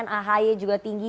ahy juga tinggi